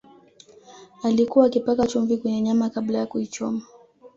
alikuwa akipaka chumvi kwenye nyama kabla ya kuichoma